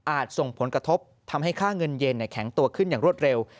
ส่งผลกระทบทำให้ค่าเงินเย็นแข็งตัวขึ้นอย่างรวดเร็ว